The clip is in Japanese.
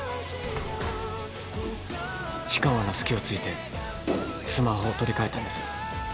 氷川の隙をついてスマホを取り替えたんです。